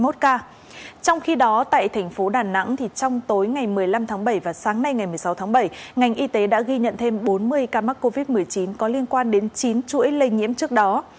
trong khi đó tại thành phố đà nẵng trong tối ngày một mươi năm tháng bảy và sáng nay ngày một mươi sáu tháng bảy ngành y tế đã ghi nhận thêm bốn mươi ca mắc covid một mươi chín có liên quan đến chín chuỗi lây nhiễm trước đó